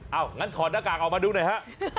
เอางั้นถอดหน้ากากออกมาดูหน่อยฮะ